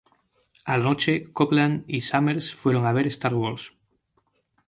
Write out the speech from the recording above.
A la noche Copeland y Summers fueron a ver Star Wars.